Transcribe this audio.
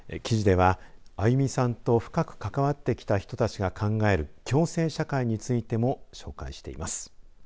記事では歩さんと深く関わってきた人たちが考える共生社会についても紹介しています。